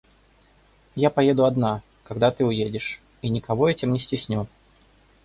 Я поеду одна, когда ты уедешь, и никого этим не стесню.